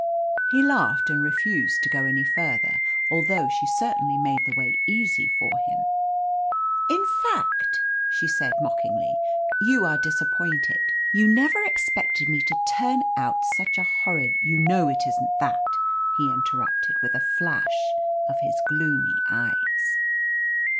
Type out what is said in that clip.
He laughed and refused to go any farther, although she certainly made the way easy for him. "In fact," she said mockingly, "you are disappointed. You never expected me to turn out such a horrid " "You know it isn't that," he interrupted, with a flash of his gloomy eyes.